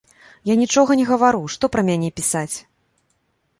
Я нічога не гавару, што пра мяне пісаць.